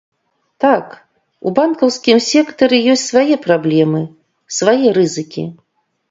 Так, у банкаўскім сектары ёсць свае праблемы, свае рызыкі.